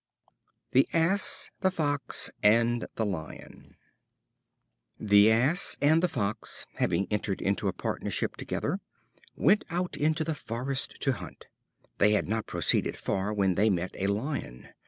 The Ass, the Fox, and the Lion. The Ass and the Fox, having entered into a partnership together, went out into the forest to hunt. They had not proceeded far, when they met a Lion.